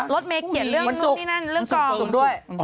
รถแมฟเขียนเรื่องกรอบ